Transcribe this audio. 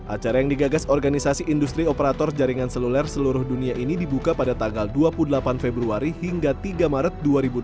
acara yang digagas organisasi industri operator jaringan seluler seluruh dunia ini dibuka pada tanggal dua puluh delapan februari hingga tiga maret dua ribu dua puluh dua